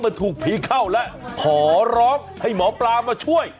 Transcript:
มันถูกผีเข้าแล้วขอร้องให้หมอปลามาช่วย